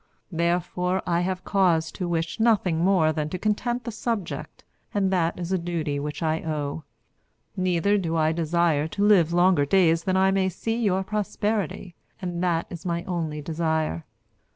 Therefore I have cause to wish nothing more than to content the subject and that is a duty which I owe. Neither do I desire to live longer days than I may see your prosperity and that is my only desire.